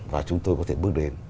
và chúng tôi có thể bước đến